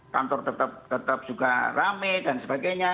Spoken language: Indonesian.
kantor tetap juga rame dan sebagainya